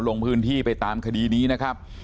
ลงพื้นที่ไปตามคดีนี้นะครับ